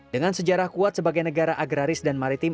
dengan sejarah kuat sebagai negara agraris dan maritim